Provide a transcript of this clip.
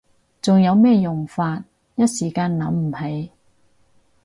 仲有咩用法？一時間諗唔起